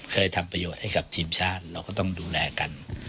เคยทำประโยชน์ให้กับทีมชาติเราก็ต้องดูแลกัน